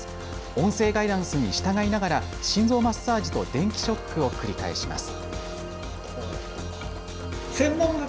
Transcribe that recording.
音声ガイダンスに従いながら心臓マッサージと電気ショックを繰り返します。